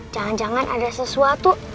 jangan jangan ada sesuatu